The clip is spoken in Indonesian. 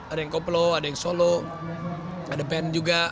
ada yang koplo ada yang solo ada pen juga